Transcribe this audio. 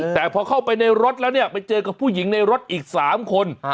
แต่พอเข้าไปในรถแล้วเนี่ยไปเจอกับผู้หญิงในรถอีก๓คน